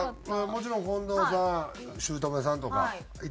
もちろん近藤さんしゅうとめさんとかいてはるでしょ？